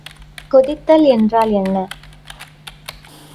கொதித்தல் என்றால் என்ன?